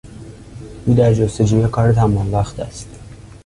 او در جستجوی کار تمام وقت است.